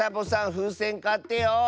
ふうせんかってよ。